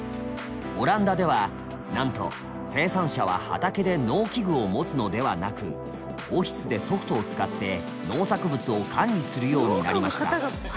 オランダではなんと生産者は畑で農機具を持つのではなくオフィスでソフトを使って農作物を管理するようになりました。